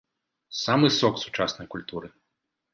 Самы сок сучаснай культуры!